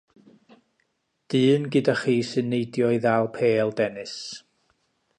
Dyn gyda chi sy'n neidio i ddal pêl dennis.